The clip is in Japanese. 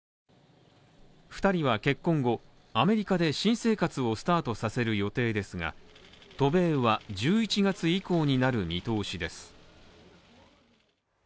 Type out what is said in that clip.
２人は結婚後、アメリカで新生活をスタートさせる予定ですが渡米は１１月以降になる見通しです。